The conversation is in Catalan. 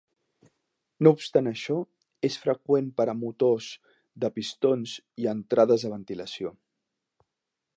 No obstant això, és freqüent per a motors de pistons i entrades de ventilació.